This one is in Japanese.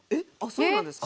そうなんですか。